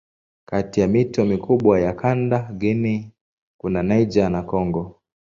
Kati ya mito mikubwa ya kanda Guinea kuna Niger na Kongo.